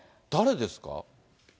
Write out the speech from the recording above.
誰ですか？